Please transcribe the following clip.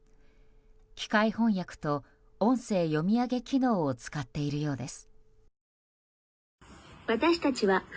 機械翻訳と音声読み上げ機能を使っているようです。